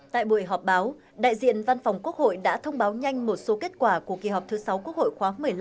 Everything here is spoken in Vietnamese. tại buổi họp báo đại diện văn phòng quốc hội đã thông báo nhanh một số kết quả của kỳ họp thứ sáu quốc hội khóa một mươi năm